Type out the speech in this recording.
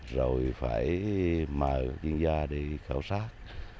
rồi phải mở chuyên gia đi khảo sát